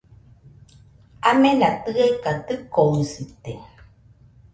Amena tɨeka dɨkoɨsite